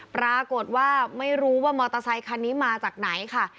ปรากฏว่าไม่รู้ว่ามอเตอร์ไซคันนี้มาจากไหนค่ะ